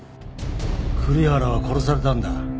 栗原は殺されたんだ。